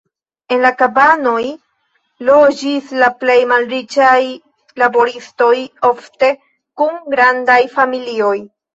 En la kabanoj loĝis la plej malriĉaj laboristoj, ofte kun grandaj familioj.